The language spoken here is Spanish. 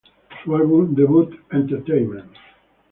Su álbum debut, "Entertainment!